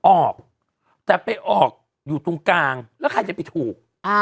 ออกแต่ไปออกอยู่ตรงกลางแล้วใครจะไปถูก